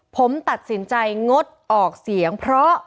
ผมตัดสินใจงดออกเสียงเพราะ